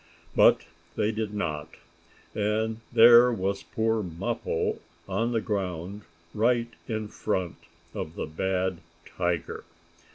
But they did not, and there was poor Mappo on the ground right in front of the bad tiger.